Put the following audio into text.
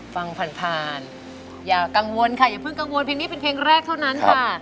ฟังผ่านอย่ากังวลค่ะอย่าเพิ่งกังวลเพลงนี้เป็นเพลงแรกเท่านั้นค่ะ